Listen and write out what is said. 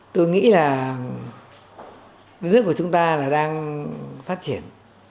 tôi nghĩ là nước của chúng ta đang phát triển